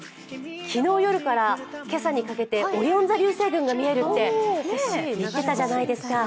昨日夜から今朝にかけてオリオン座流星群が見えるって言ってたじゃないですか。